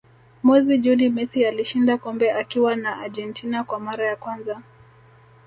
mwezi juni messi alishinda kombe akiwa na argentina kwa mara ya kwanza